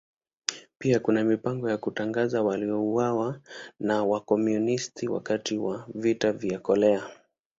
Pia kuna mipango ya kutangaza waliouawa na Wakomunisti wakati wa Vita vya Korea.